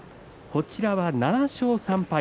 こちらは７勝３敗。